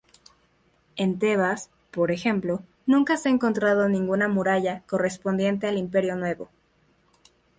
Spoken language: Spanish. En Tebas, por ejemplo, nunca se ha encontrado ninguna muralla correspondiente al Imperio Nuevo.